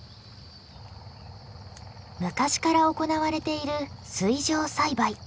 昔から行われている水上栽培。